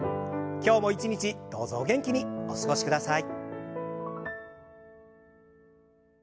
今日も一日どうぞお元気にお過ごしください。